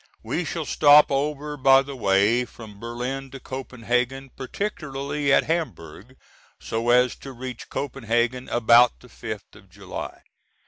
We shall stop over by the way from Berlin to Copenhagen, particularly at Hamburg, so as to reach Copenhagen about the fifth of July.